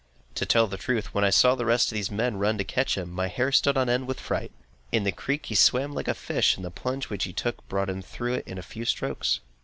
To tell the truth, when I saw all the rest of the men run to catch him, my hair stood on end with fright. In the creek, he swam like a fish, and the plunge which he took brought him through it in a few strokes.